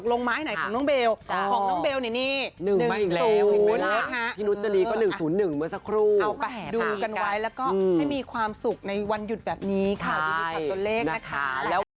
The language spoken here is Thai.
แล้วก็ให้มีความสุขในวันหยุดแบบนี้ค่ะดูดีตัดตัวเลขนะคะแล้ว